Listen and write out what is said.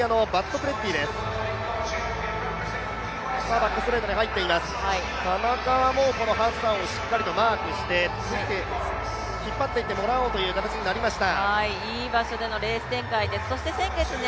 バックストレートに入っています、田中はハッサンをしっかりとマークして引っ張っていってもらおうという形になりました。